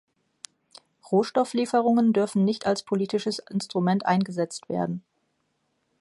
Rohstofflieferungen dürfen nicht als politisches Instrument eingesetzt werden.